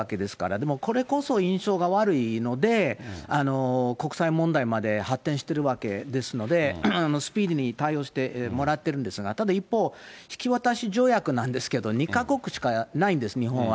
でも、これこそ印象が悪いので、国際問題まで発展してるわけですので、スピーディーに対応してもらってるんですが、ただ、一方、引き渡し条約なんですけど、２か国しかないんです、日本は。